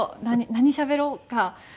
何しゃべろうか？